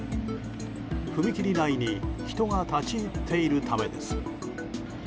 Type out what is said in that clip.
踏切内に人が立ち入っているためです。